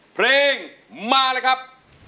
เพลงมาเลยครับ